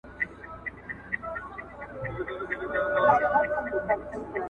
کۀ تماشې له د ځوانۍ چرته ځوانى راغله